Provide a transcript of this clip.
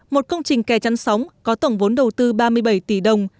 một công trình kè chăn sóng có tổng vốn đầu tư ba mươi bảy tỷ đồng